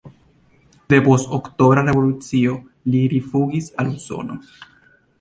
Depost Oktobra Revolucio li rifuĝis al Usono.